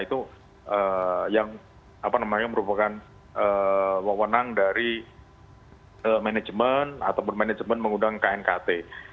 itu yang merupakan wawonan dari manajemen ataupun manajemen mengundang knkt